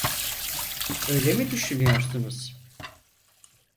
Öyle mi düşünüyorsunuz?